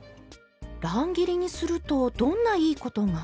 乱切りにするとどんないいことが？